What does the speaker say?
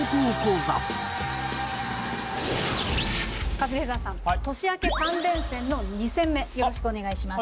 カズレーザーさん年明け３連戦の２戦目よろしくお願いします。